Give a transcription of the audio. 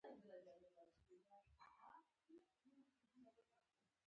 پیاز په کابل کې کیږي